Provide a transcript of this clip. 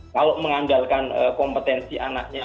kalau mengandalkan kompetensi anaknya